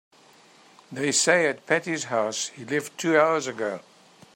They say at Patti's house he left two hours ago.